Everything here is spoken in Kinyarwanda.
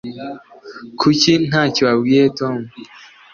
Kuki ntacyo wabwiye Tom